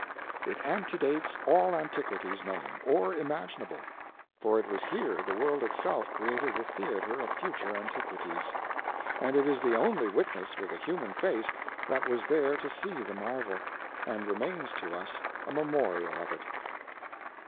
It antedates all antiquities known or imaginable; for it was here the world itself created the theater of future antiquities. And it is the only witness with a human face that was there to see the marvel, and remains to us a memorial of it.